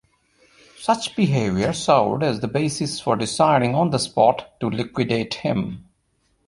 Such behavior served as the basis for deciding on the spot to liquidate him.